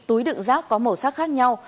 túi đựng rác có màu sắc khác nhau